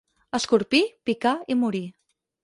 Escorpí, picar i morir.